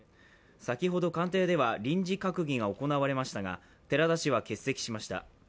先ほど官邸では、臨時閣議が行われましたが寺田氏は欠席しました。